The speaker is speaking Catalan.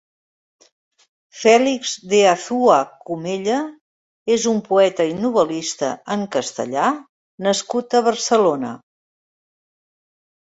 Félix de Azúa Comella és un poeta i novel·lista en castellà nascut a Barcelona.